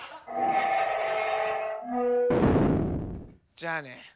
じゃあね。